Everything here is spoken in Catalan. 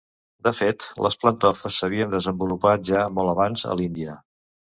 De fet, les plantofes s'havien desenvolupat ja molt abans a l'Índia.